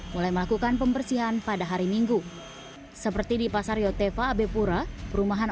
mulai melakukan pembersihan pada hari minggu seperti di pasar yotefa abe pura perumahan